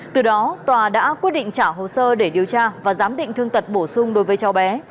từ đó tòa đã quyết định trả hồ sơ để điều tra và giám định thương tật bổ sung đối với cháu bé